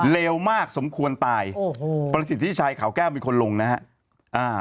เลวมากสมควรตายปฏิเสธที่ใช้ขาวแก้วมีคนลงนะฮะ